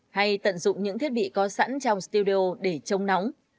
hay tận dụng những thiết bị có sẵn trong studio để chống nóng